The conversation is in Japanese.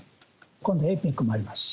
今度ＡＰＥＣもありますし。